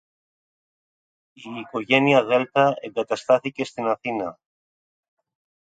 η οικογένεια Δέλτα εγκαταστάθηκε στην Αθήνα.